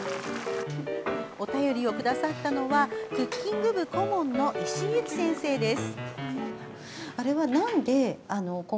お便りをくださったのはクッキング部顧問の石井由希先生です。